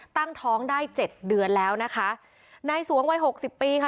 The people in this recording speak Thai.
ตั้งท้องได้เจ็ดเดือนแล้วนะคะนายสวงวัยหกสิบปีค่ะ